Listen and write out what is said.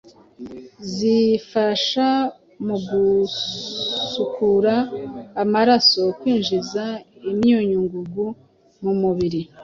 Zifasha mu gusukura amaraso, kwinjiza imyunyungugu mu mubiri,